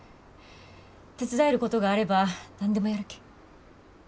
手伝えることがあれば何でもやるけん。